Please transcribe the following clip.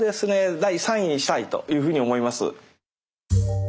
第３位にしたいというふうに思います。